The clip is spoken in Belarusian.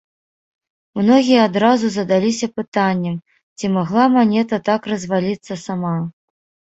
Многія адразу задаліся пытаннем, ці магла манета так разваліцца сама.